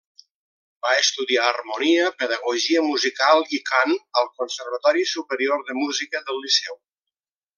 Va estudiar harmonia, pedagogia musical i cant al Conservatori Superior de Música del Liceu.